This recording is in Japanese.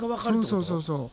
そうそうそうそう。